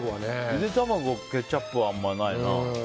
ゆで卵、ケチャップはあまりないな。